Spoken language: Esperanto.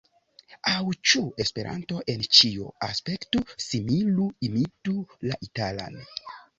Aŭ ĉu Esperanto en ĉio aspektu, similu, imitu la italan?